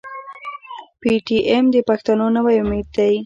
پي ټي ايم د پښتنو نوی امېد دی.